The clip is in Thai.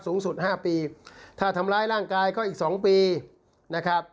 สูงสุดห้าปีถ้าทำร้ายร่างกายก็อีก๒ปีนะครับ